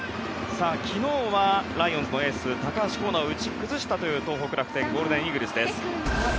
昨日はライオンズのエース高橋光成を打ち崩したという東北楽天ゴールデンイーグルスです。